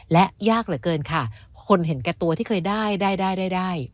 และยากเหลือเกินค่ะคนเห็นแก่ตัวที่เคยได้ได้